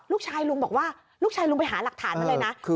ลุงบอกว่าลูกชายลุงไปหาหลักฐานมาเลยนะ